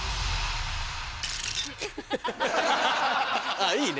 あっいいね。